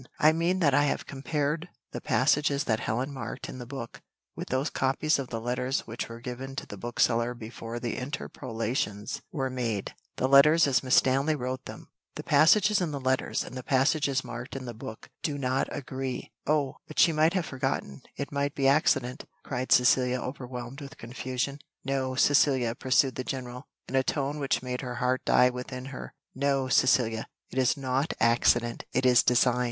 "I mean that I have compared the passages that Helen marked in the book, with those copies of the letters which were given to the bookseller before the interpolations were made the letters as Miss Stanley wrote them. The passages in the letters and the passages marked in the book do not agree." "Oh, but she might have forgotten, it might be accident," cried Cecilia, overwhelmed with confusion. "No, Cecilia," pursued the General, in a tone which made her heart die within her "no, Cecilia, it is not accident, it is design.